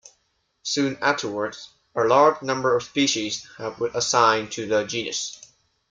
Soon afterwards, a large number of species was assigned to the genus.